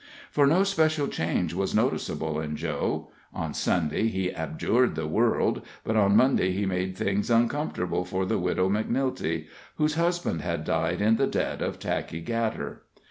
For no special change was noticeable in Joe; on Sunday he abjured the world, but on Monday he made things uncomfortable for the Widow Macnilty, whose husband had died in the debt of Tackey & Gatter.